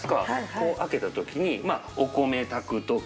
こう開けたときにお米を炊くとき。